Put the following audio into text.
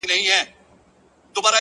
صادق زړه له دروغو دروند نه وي.!